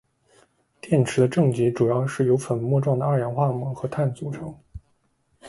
电池的正极主要是由粉末状的二氧化锰和碳构成。